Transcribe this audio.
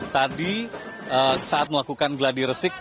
tadi saat melakukan gelar di resik